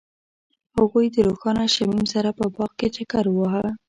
هغوی د روښانه شمیم سره په باغ کې چکر وواهه.